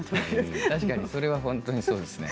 確かにそれは本当にそうですね。